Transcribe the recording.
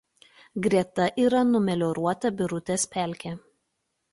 Greta yra numelioruota Birutės pelkė.